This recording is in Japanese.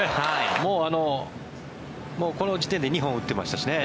もうこの時点で２本打ってましたしね。